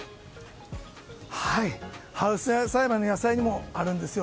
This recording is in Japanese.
ハウス栽培の野菜にもあるんですよ。